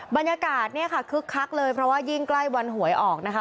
บรรยากาศเนี่ยค่ะคึกคักเลยเพราะว่ายิ่งใกล้วันหวยออกนะคะ